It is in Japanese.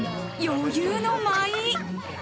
余裕の舞。